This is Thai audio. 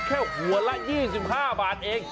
เขากินแค่หัวละ๒๕บาทเอง